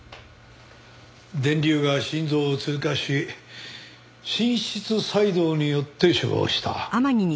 電流が心臓を通過し心室細動によって死亡した。